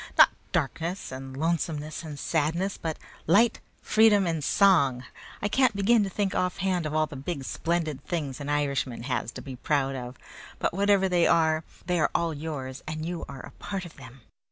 "Not darkness, and lonesomeness, and sadness, but 'light, freedom, and song.' I can't begin to think offhand of all the big, splendid things an Irishman has to be proud of; but whatever they are, they are all yours, and you are a part of them.